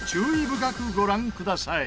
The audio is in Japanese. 深くご覧ください